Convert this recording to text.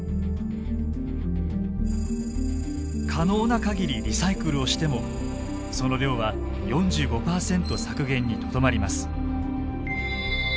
可能な限りリサイクルをしてもその量は４５％削減にとどまります。